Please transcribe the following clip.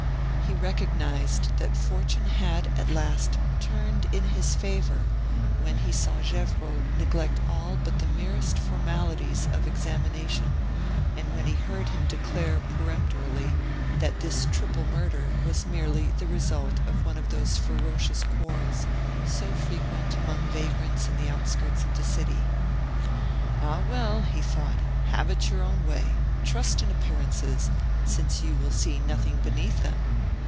He recognized that fortune had, at last, turned in his favor when he saw Gevrol neglect all but the merest formalities of examination, and when he heard him declare peremptorily that this triple murder was merely the result of one of those ferocious quarrels so frequent among vagrants in the outskirts of the city. "Ah, well!" he thought; "have it your own way trust in appearances, since you will see nothing beneath them!